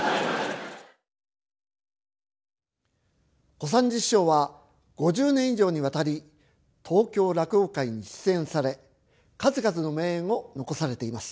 小三治師匠は５０年以上にわたり東京落語会に出演され数々の名演を残されています。